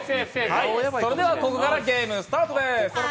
それではここからゲームスタートです。